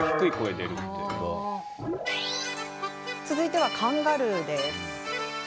続いてはカンガルー。